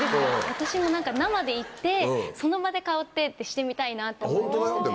私も生で行ってその場で香ってってしてみたいなって思いましたね。